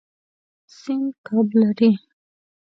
سیند کب لري.